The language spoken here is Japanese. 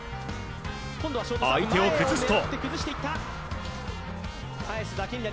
相手を崩すと。